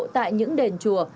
tại những đền chùa